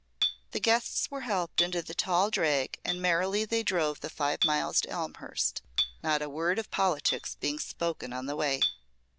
The guests were helped into the tall drag and merrily they drove the five miles to Elmhurst, not a word of politics being spoken on the way.